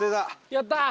やったー！